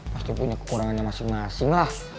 pasti punya kekurangannya masing masing lah